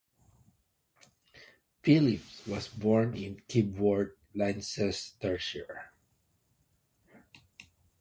Phillips was born in Kibworth, Leicestershire.